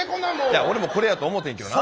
いや俺もこれやと思てんけどな。